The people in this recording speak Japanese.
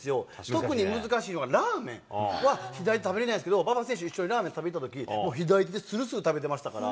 特に難しいのは、ラーメンは、左で食べれないんですけど、馬場選手、一緒にラーメン食べに行ったとき、左手でするする食べてましたから。